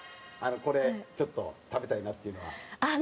これちょっと食べたいなっていうのは。